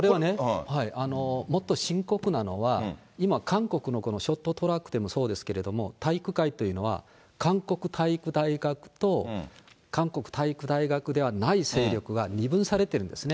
もっと深刻なのは、今、韓国のこのショートトラックでもそうですけれども、体育界というのは韓国体育大学と、韓国体育大学ではない勢力が二分されてるんですね。